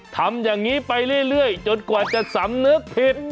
ทำอย่างนี้ไปเรื่อยจนกว่าจะสำนึกผิด